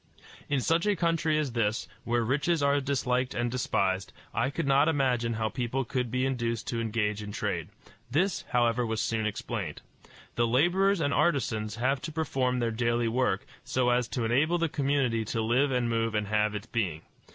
In such a country as this, where riches are disliked and despised, I could not imagine how people could be induced to engage in trade. This, however, was soon explained. The laborers and artisans have to perform their daily work, so as to enable the community to live and move and have its being.